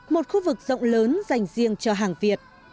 một khu vực rộng lớn dành riêng cho hàng việt